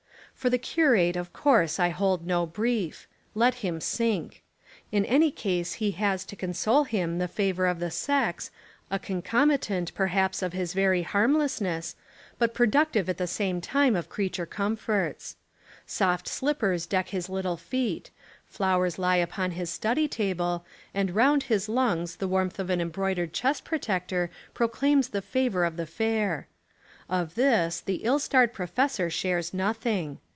For the curate of course I hold no brief. Let him sink. In any case he has to console him the favour of the sex, a concomitant per haps of his very harmlessness, but productive 29 Essays and Literary Studies at the same time of creature comforts. Soft slippers deck his little feet, flowers lie upon his study table, and round his lungs the warmth of an embroidered chest protector proclaims the favour of the fair. Of this the ill starred pro fessor shares nothing.